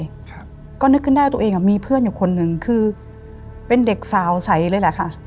ครับก็นึกขึ้นได้ตัวเองอ่ะมีเพื่อนอยู่คนหนึ่งคือเป็นเด็กสาวใสเลยแหละค่ะ